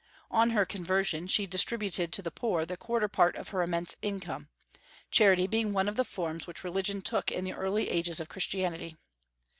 On her conversion, she distributed to the poor the quarter part of her immense income, charity being one of the forms which religion took in the early ages of Christianity.